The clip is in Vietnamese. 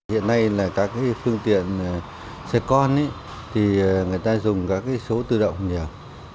hiện nay là các cái phương tiện xe con thì người ta dùng các cái số tự động nhiều